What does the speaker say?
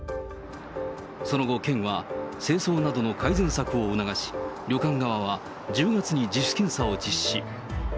その後、県は清掃などの改善策を促し、旅館側は１０月に自主検査を実施。